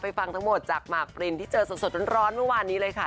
ไปฟังทั้งหมดจากมาร์คปรินที่เจอสดร้อนวันวานนี้เลยค่ะ